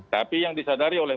tapi yang disadari oleh